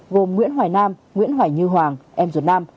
gồm nguyễn hoài nam nguyễn hoài như hoàng em ruột nam